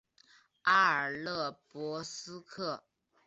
阿尔勒博斯克。